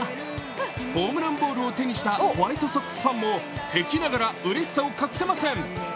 ホームランボールを手にしたホワイトソックスファンも敵ながらうれしさを隠せません。